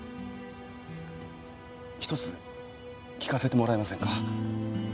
１つ聞かせてもらえませんか？